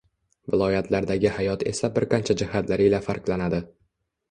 Viloyatlardagi hayot esa bir qancha jihatlari ila farqlanadi.